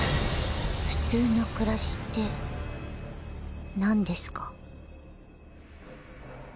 普通の暮らしってなんですか？